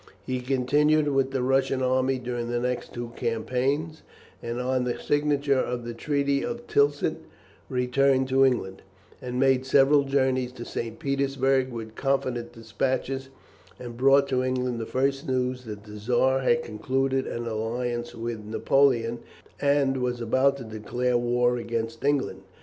He continued with the Russian army during the next two campaigns, and on the signature of the treaty of Tilsit returned to England, and made several journeys to St. Petersburg with confidential despatches, and brought to England the first news that the Czar had concluded an alliance with Napoleon and was about to declare war against England.